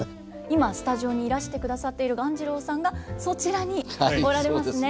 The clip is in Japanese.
今スタジオにいらしてくださっている鴈治郎さんがそちらにおられますね。